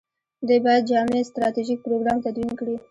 دوی باید جامع ستراتیژیک پروګرام تدوین کړي.